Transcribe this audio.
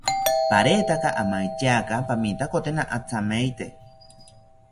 Paretaka amaityaka pamitakotena athamaite